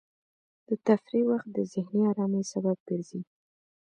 د تفریح وخت د ذهني ارامۍ سبب ګرځي.